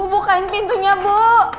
bu bukain pintunya bu